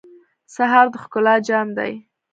سهار د ښکلا جام دی.